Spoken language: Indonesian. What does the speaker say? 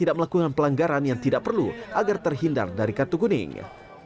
tidak melakukan pelanggaran yang tidak perlu agar terhindar dari kartu kuning